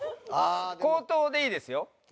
口頭でいいですよ。